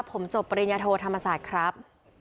ผมจบปริญญาโทธรรมศาสตร์ครับ